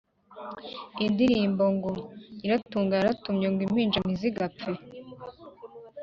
indirimbo ngo: “Nyiratunga Yaratumye ngo Impinja Ntizigapfe.”